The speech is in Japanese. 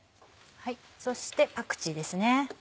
そしてパクチーですね。